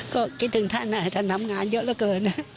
ก็คิดถึงท่านท่านทำงานเยอะเหลือเกิน